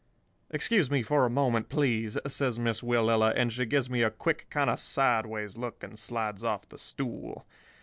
"'Excuse me for a moment, please,' says Miss Willella, and she gives me a quick kind of sideways look, and slides off the stool.